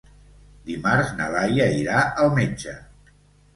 Dimarts na Laia irà al metge.